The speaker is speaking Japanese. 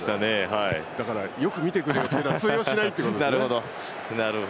だからよく見てくれというのは通用しないという。